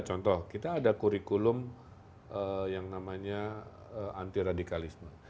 contoh kita ada kurikulum yang namanya anti radikalisme